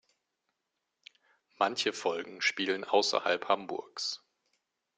Manche Folgen spielen außerhalb Hamburgs.